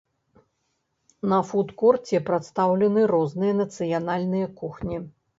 На фуд-корце прадстаўлены розныя нацыянальныя кухні.